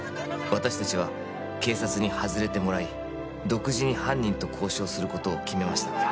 私達は警察に外れてもらい独自に犯人と交渉することを決めました